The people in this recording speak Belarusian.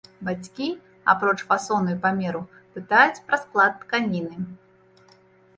Бацькі, апроч фасону і памеру, пытаюць пра склад тканіны.